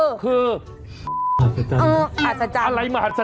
คืออัศจรรย์ครับครับครับคุณจิตสาอะไรมหัศจรรย์น่ะ